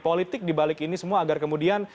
politik dibalik ini semua agar kemudian